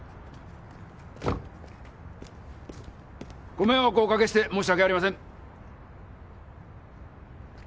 ご迷惑をおかけして申し訳ありません。